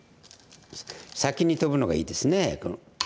先にトブのがいいですね。